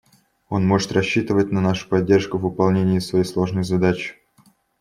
Он может рассчитывать на нашу поддержку в выполнении своей сложной задачи.